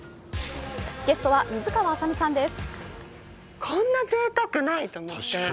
ゲストは水川あさみさんです。